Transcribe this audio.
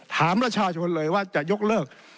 ถามประชาชนเลยว่าจะยกเลิก